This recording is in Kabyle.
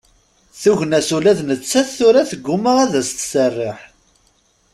Tugna-s ula d nettat tura tegguma ad as-tesserḥ.